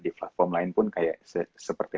di platform lain pun kayak seperti